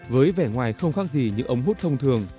với vẻ ngoài không khác gì như ống hút thông thường